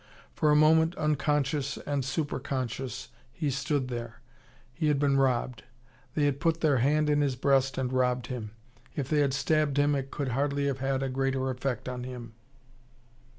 For a moment unconscious and superconscious he stood there. He had been robbed. They had put their hand in his breast and robbed him. If they had stabbed him, it could hardly have had a greater effect on him.